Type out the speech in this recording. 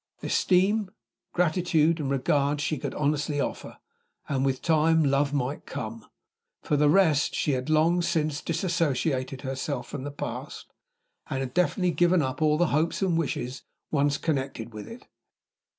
Esteem, gratitude, and regard she could honestly offer; and, with time, love might come. For the rest, she had long since disassociated herself from the past, and had definitely given up all the hopes and wishes once connected with it.